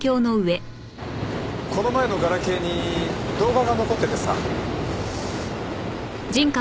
この前のガラケーに動画が残っててさ。